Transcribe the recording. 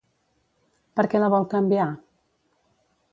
Per què la vol canviar?